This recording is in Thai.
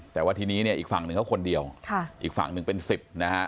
แต่ว่าทีนี้เนี่ยอีกฝั่งหนึ่งเขาคนเดียวอีกฝั่งหนึ่งเป็นสิบนะฮะ